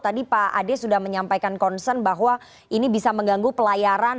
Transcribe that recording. tadi pak ade sudah menyampaikan concern bahwa ini bisa mengganggu pelayaran